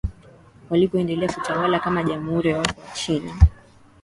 Walipoendelea kutawala kama Jamhuri ya watu wa China